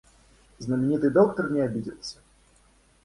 Знаменитый доктор не обиделся.